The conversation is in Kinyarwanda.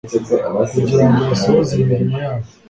kugira ngo basohoze imirimo yabo